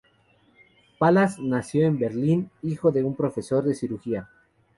Pallas nació en Berlín, hijo de un profesor de cirugía.